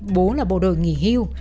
bố là bộ đội nghỉ hưu